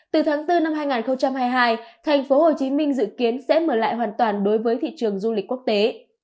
từ tháng bốn năm hai nghìn hai mươi hai tp hcm dự kiến sẽ mở lại hoàn toàn đối với thị trường du lịch quốc tế